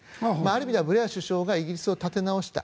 ある意味ではブレア首相がイギリスを立て直した。